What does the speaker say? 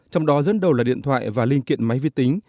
trong đó dẫn đầu là điện thoại và linh kiện máy vi tính